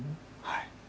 はい。